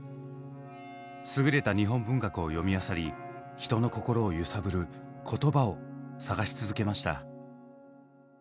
すぐれた日本文学を読みあさり人の心を揺さぶる「言葉」を探し続けました。